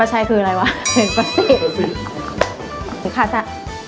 หรือว่า